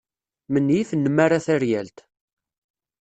Menyif nnmara taryalt.